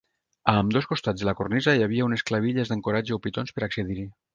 A ambdós costats de la cornisa hi ha unes clavilles d'ancoratge o pitons per accedir-hi.